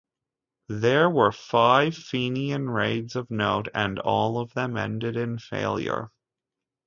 There were five Fenian raids of note and all of them ended in failure.